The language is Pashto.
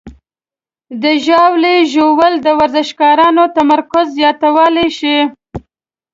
د ژاولې ژوول د ورزشکارانو تمرکز زیاتولی شي.